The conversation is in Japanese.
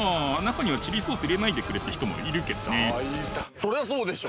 そりゃそうでしょ。